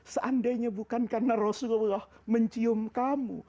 seandainya bukan karena rasulullah mencium kamu